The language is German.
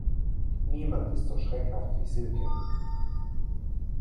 Niemand ist so schreckhaft wie Silke.